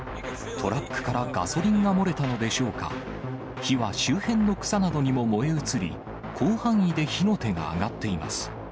トラックからガソリンが漏れたのでしょうか、火は周辺の草などにも燃え移り、広範囲で火の手が上がっています。